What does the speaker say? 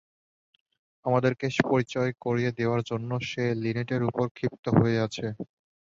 আমাদেরকে পরিচয় করে দেওয়ার জন্য সে লিনেটের উপর ক্ষিপ্ত হয়ে আছে!